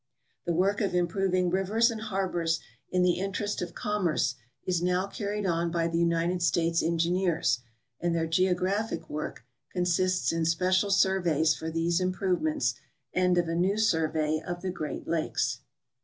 The work of improving rivers and harbors in the interest of commerce is now carried on by the United States engineers, and their geographic work consists in special surveys for these im provements and of a new survey of the Great Lakes.